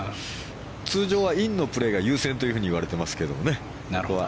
通常はインのプレーが優先といわれてますけどね。